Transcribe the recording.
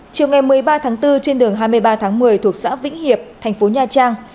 chiều ngày một mươi ba tháng bốn trên đường hai mươi ba tháng một mươi thuộc xã vĩnh hiệp thành phố nha trang